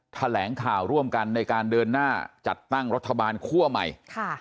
แถลงข่าวร่วมกันในการเดินหน้าจัดตั้งรัฐบาลคั่วใหม่